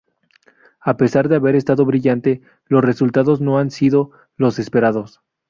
A pesar de haber estado brillante, los resultados no han sido los esperados.